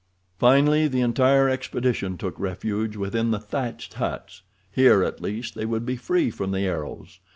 Finally the entire expedition took refuge within the thatched huts—here, at least, they would be free from the arrows.